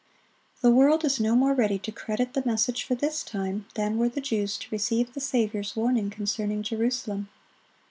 (55) The world is no more ready to credit the message for this time than were the Jews to receive the Saviour's warning concerning Jerusalem.